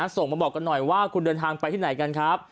ส่งมาบอกกันหน่อยว่าคุณเดินทางไปที่ไหนกันครับ